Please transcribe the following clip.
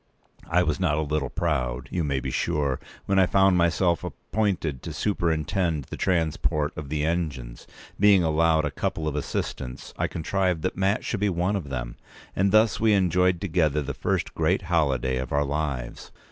I was not a little proud, you may be sure, when I found myself appointed to superintend the transport of the engines. Being allowed a couple of assistants, I contrived that Mat should be one of them; and thus we enjoyed together the first great holiday of our lives.